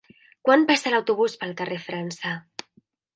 Quan passa l'autobús pel carrer França?